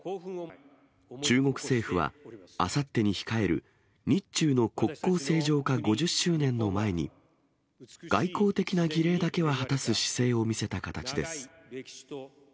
中国政府は、あさってに控える日中の国交正常化５０周年の前に、外交的な儀礼だけは果たす姿勢を見せた形です。